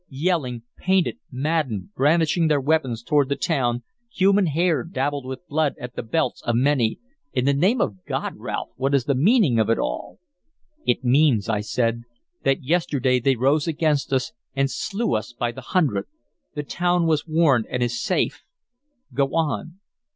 Yelling, painted, maddened, brandishing their weapons toward the town, human hair dabbled with blood at the belts of many in the name of God, Ralph, what is the meaning of it all?" "It means," I said, "that yesterday they rose against us and slew us by the hundred. The town was warned and is safe. Go on."